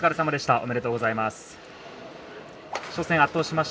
おめでとうございます。